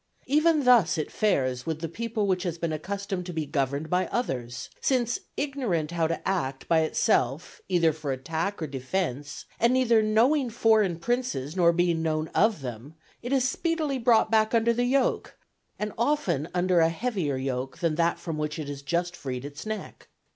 Even thus it fares with the people which has been accustomed to be governed by others; since ignorant how to act by itself either for attack or defence, and neither knowing foreign princes nor being known of them, it is speedily brought back under the yoke, and often under a heavier yoke than that from which it has just freed its neck.